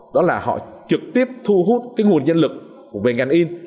đó là họ trực tiếp thu hút cái nguồn nhân lực về ngành in